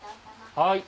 はい。